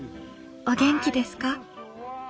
お元気ですか？